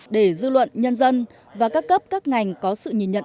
để dư luận nhân dân và các cấp các ngành có sự nhìn nhận